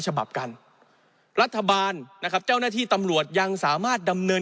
ฉบับกันรัฐบาลนะครับเจ้าหน้าที่ตำรวจยังสามารถดำเนิน